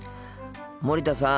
森田さん。